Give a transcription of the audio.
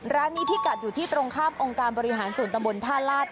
ร้านนี้พี่กัดอยู่ที่ตรงข้ามองค์การบริหารส่วนตำบลท่าลาศ